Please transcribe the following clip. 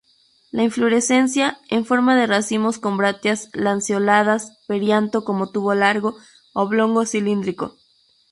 La inflorescencia, en forma de racimos con brácteas lanceoladas; perianto como tubo largo, oblongo-cilíndrico.